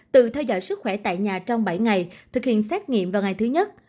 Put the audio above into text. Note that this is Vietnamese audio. tự theo dõi sức khỏe tại nhà trong bảy ngày thực hiện xét nghiệm vào ngày thứ nhất